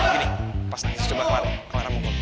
gini pas nangis coba ke arah ke arah mukul